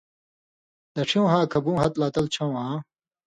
دڇھیوں ہا کھبُو ہتہۡھ لا تل چھؤں آں